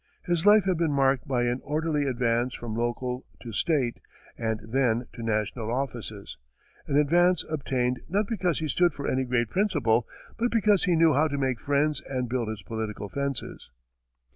His life had been marked by an orderly advance from local to state, and then to national offices an advance obtained not because he stood for any great principle, but because he knew how to make friends and build his political fences.